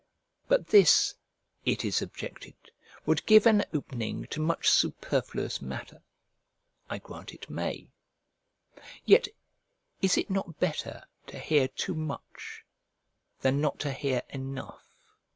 But this, it is objected, would give an opening to much superfluous matter: I grant it may; yet is it not better to hear too much than not to hear enough?